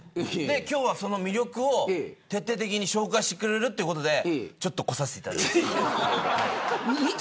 今日は、その魅力を徹底的に紹介してくれるということで来させていただきました。